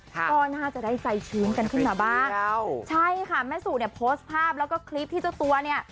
ก็น่าจะได้ใจชื้นกันขึ้นมาบ้างใช่ค่ะแม่สู่เนี่ยโพสต์ภาพแล้วก็คลิปที่เจ้าตัวเนี่ย